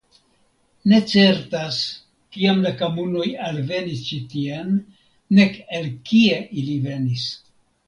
Ne certas kiam la Kamunoj alvenis ĉi tien nek el kie ili venis.